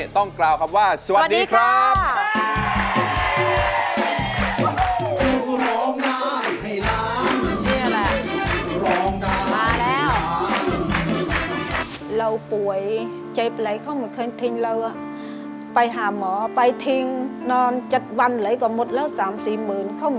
ต้องกล่าวคำว่าสวัสดีครับ